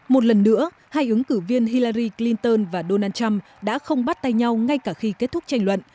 một lần nữa hai ứng cử viên hillary clinton và donald trump đã không bắt tay nhau ngay cả khi kết thúc tranh luận